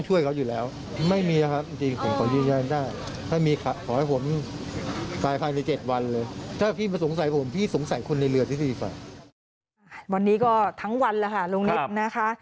วันนี้ก็ทั้งวันแล้วค่ะลุงนิดนะคะ